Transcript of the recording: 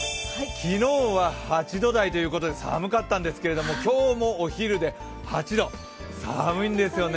昨日は８度台ということで寒かったんですけども、今日もお昼で８度、寒いんですよね。